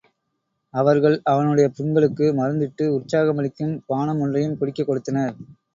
அவர்கள் அவனுடைய புண்களுக்கு மருந்திட்டு, உற்சாகமளிக்கும் பானமொன்றையும் குடிக்கக் கொடுத்தனர்.